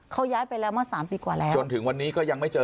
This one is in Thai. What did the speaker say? เขาย้ายไปแล้วเมื่อสามปีกว่าแล้วจนถึงวันนี้ก็ยังไม่เจอ